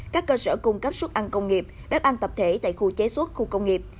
các cơ sở cung cấp xuất ăn công nghiệp bếp ăn tập thể tại khu chế suất khu công nghiệp